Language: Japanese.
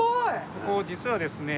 ここ実はですね